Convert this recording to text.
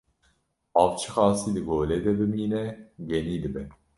Av çi qasî di golê de bimîne, genî dibe.